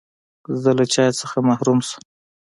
زه له چای څخه محروم شوم.